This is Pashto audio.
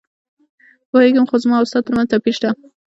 پوهېږم، خو زما او ستا ترمنځ توپیر شته.